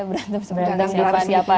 berantem di siapaan